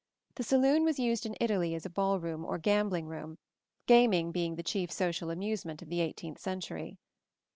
The saloon was used in Italy as a ball room or gambling room gaming being the chief social amusement of the eighteenth century.